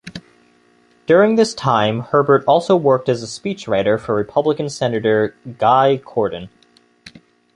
During this time Herbert also worked as a speechwriter for Republican senator Guy Cordon.